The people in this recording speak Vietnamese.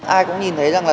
ai cũng nhìn thấy rằng là